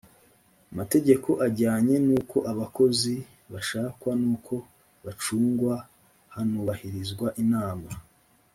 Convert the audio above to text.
amategeko ajyanye n uko abakozi bashakwa n uko bacungwa hanubahirizwa inama